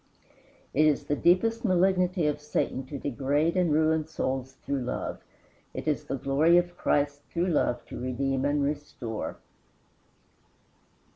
It is the deepest malignity of Satan to degrade and ruin souls through love. It is the glory of Christ, through love, to redeem and restore.